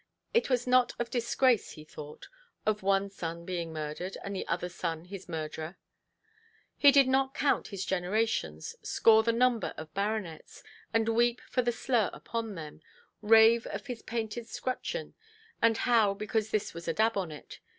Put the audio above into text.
It was not of disgrace he thought, of one son being murdered, and the other son his murderer; he did not count his generations, score the number of baronets, and weep for the slur upon them; rave of his painted scutcheon, and howl because this was a dab on it.